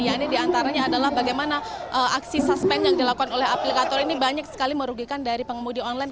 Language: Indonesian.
yang ini diantaranya adalah bagaimana aksi suspend yang dilakukan oleh aplikator ini banyak sekali merugikan dari pengemudi online